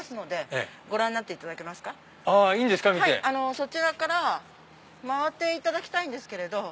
そちらから回っていただきたいんですけど。